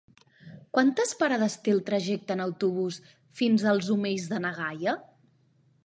Quantes parades té el trajecte en autobús fins als Omells de na Gaia?